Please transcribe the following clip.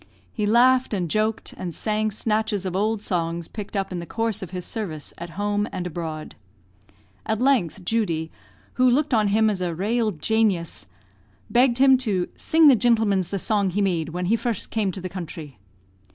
He laughed and joked, and sang snatches of old songs picked up in the course of his service at home and abroad. At length Judy, who looked on him as a "raal janius," begged him to "sing the gintlemens the song he made when he first came to the counthry."